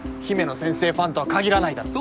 乃先生ファンとは限らないだろ